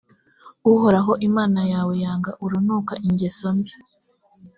uhoraho imana yawe yanga urunuka ingeso mbi.